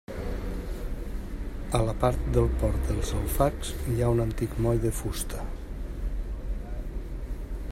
A la part del port dels Alfacs hi ha un antic moll de fusta.